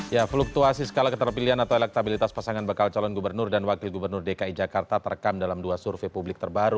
ya fluktuasi skala keterpilihan atau elektabilitas pasangan bakal calon gubernur dan wakil gubernur dki jakarta terekam dalam dua survei publik terbaru